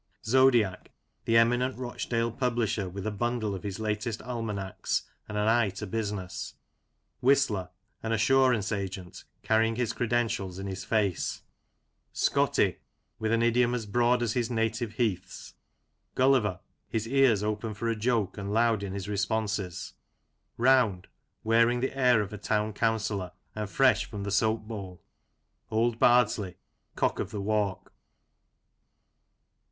Zodiac (the eminent Rochdale publisher, with a bundle of his latest almanacs, and an eye to business). Whistler (an assurance agent, carrying his credentials in his face). 114 Lancashire Characters and Places, ScoTTY (with an idiom as broad as his native heaths). Gulliver (his ears open for a joke, and loud in his responses). Round (wearing the air of a Town Councillor, and fresh from the soap bowl). Old Bardsley (cock of the walk).